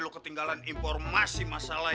lu ketinggalan informasi masalah